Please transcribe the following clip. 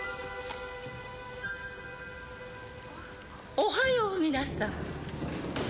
おはよう皆さん